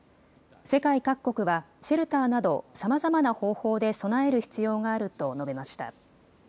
世界各国はシェルターなどさまざまな方法で備える必要があると述べました。